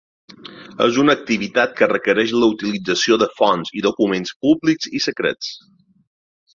És una activitat que requereix la utilització de fonts i documents públics i secrets.